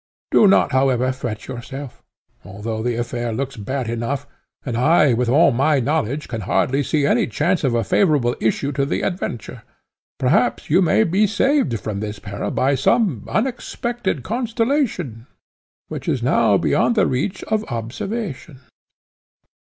Do not, however, fret yourself, although the affair looks bad enough, and I, with all my knowledge, can hardly see any chance of a favourable issue to the adventure. Perhaps you may be saved from this peril by some unexpected constellation, which is now beyond the reach of observation."